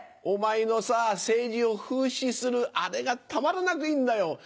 お前のさ、政治を風刺する、あれがたまらなくいいんだよ。